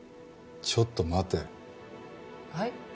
ちょっと待てはい？